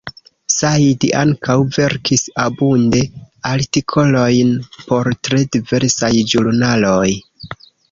Said ankaŭ verkis abunde artikolojn por tre diversaj ĵurnaloj.